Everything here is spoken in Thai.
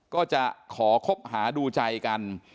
ก็จะขอคบหาดูใจกัน